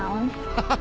ハハハ！